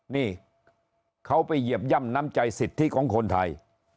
นี่เขาไปเหยียบย่ำน้ำใจสิทธิของคนไทย